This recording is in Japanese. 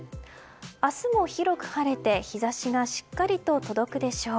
明日も広く晴れて日差しがしっかりと届くでしょう。